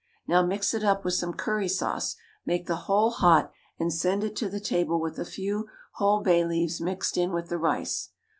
Now mix it up with some curry sauce, make the whole hot, and send it to table with a few whole bay leaves mixed in with the rice.